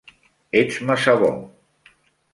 Ets massa bo.